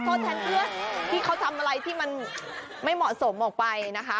โทษแทนเพื่อนที่เขาทำอะไรที่มันไม่เหมาะสมออกไปนะคะ